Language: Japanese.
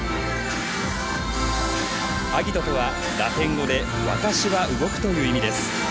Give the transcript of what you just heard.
アギトとは、ラテン語で「私は動く」という意味です。